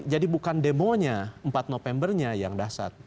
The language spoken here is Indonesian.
jadi bukan demonya empat novembernya yang dahsyat